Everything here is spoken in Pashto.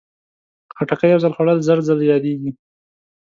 خټکی یو ځل خوړل، زر ځل یادېږي.